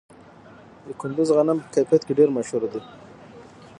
د کندز غنم په کیفیت کې ډیر مشهور دي.